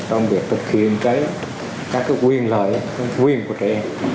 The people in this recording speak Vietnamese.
trong việc thực hiện cái các cái quyền lợi quyền của trẻ